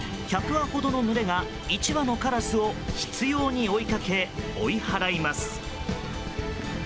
１００羽ほどの群れが１羽のカラスを執拗に追いかけ追い払います。